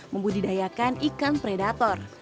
membudidayakan ikan predator